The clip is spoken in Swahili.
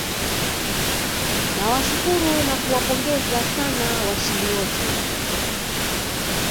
nawashukuru na kuwapongeza sana washindi wote